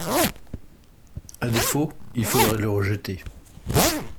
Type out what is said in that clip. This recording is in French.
À défaut, il faudrait le rejeter.